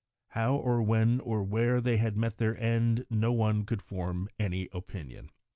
How, or when, or where, they had met their end, no one could form any opinion.